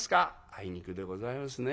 「あいにくでございますね。